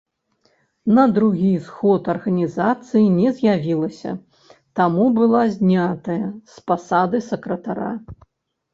На другі сход арганізацыі не з'явілася, таму была знятая з пасады сакратара.